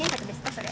それ。